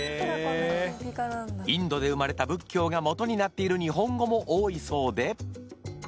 インドで生まれた仏教がモトになっている日本語も多いそうで。